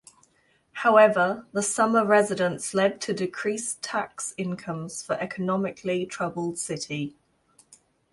However, the summer residents led to decreased tax incomes for economically troubled city.